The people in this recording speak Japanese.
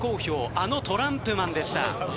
あのトランプマンでした。